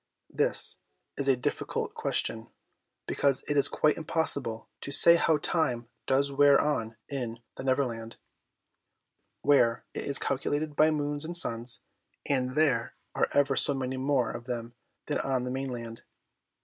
This is a difficult question, because it is quite impossible to say how time does wear on in the Neverland, where it is calculated by moons and suns, and there are ever so many more of them than on the mainland.